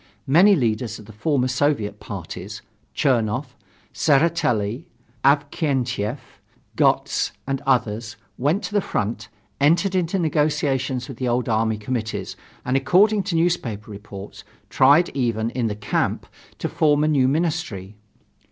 Many leaders of the former Soviet parties Chernoff, Tseretelli, Avksentiev, Gotz and others went to the front, entered into negotiations with the old army committees, and, according to newspaper reports, tried even in the camp, to form a new ministry.